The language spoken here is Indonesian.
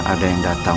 tuan tuan tuan tuan